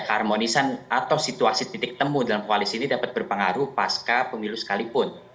keharmonisan atau situasi titik temu dalam koalisi ini dapat berpengaruh pasca pemilu sekalipun